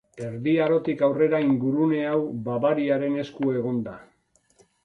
Erdi Arotik aurrera ingurune hau Bavariaren esku egon da.